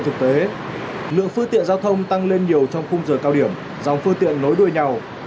thực tế lượng phương tiện giao thông tăng lên nhiều trong khung giờ cao điểm dòng phương tiện nối đuôi nhau